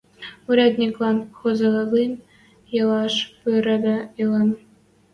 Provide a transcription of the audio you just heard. Урядниклӓн хоза лин ӹлӓш пуйырыде ылын: